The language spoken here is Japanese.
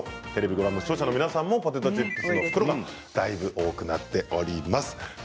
視聴者の皆さんもポテトチップスの袋がだいぶ多くなっています。